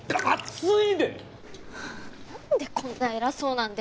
なんでこんな偉そうなんだよ